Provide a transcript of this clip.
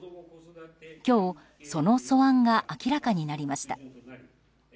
今日、その素案が明らかになりました。